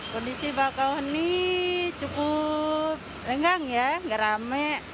kondisi bakauheni cukup lenggang ya nggak rame